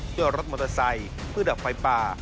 ด้วยรถมอเตอร์ไซค์ฟื้นดับไฟป่า